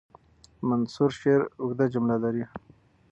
منثور شعر اوږده جملې لري.